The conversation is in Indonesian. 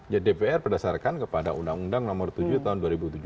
ya dpr berdasarkan kepada undang undang nomor tujuh tahun dua ribu tujuh belas